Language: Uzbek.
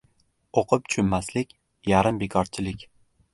• O‘qib tushunmaslik — yarim bekorchilik.